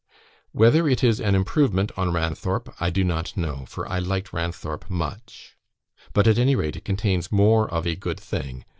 Whether it is an improvement on 'Ranthorpe' I do not know, for I liked 'Ranthorpe' much; but, at any rate, it contains more of a good thing.